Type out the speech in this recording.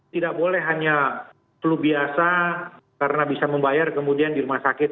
tidak boleh hanya flu biasa karena bisa membayar kemudian di rumah sakit